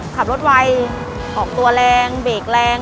ขับรถไวออกตัวแรงเบรกแรง